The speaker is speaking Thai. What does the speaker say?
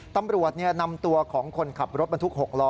ตำรวจนำตัวของคนขับรถบรรทุก๖ล้อ